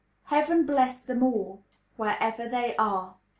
Heaven bless them all, wherever they are.